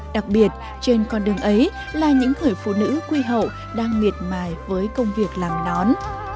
đặc biệt trên con đường ấy là những người phụ nữ quy hầu đang nghiệt mài với công việc làm nón